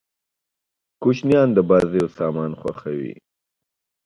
کوچنيان د بازيو سامان خوښيي.